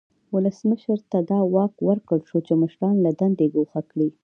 ولسمشر ته دا واک ورکړل شو چې مشران له دندې ګوښه کړي.